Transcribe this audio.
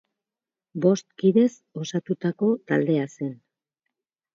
Bost kidez osatutako taldea zen.